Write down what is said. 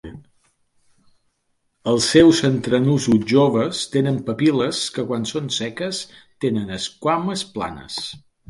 Els seus entrenusos joves tenen papil·les que quan són seques tenen esquames planes.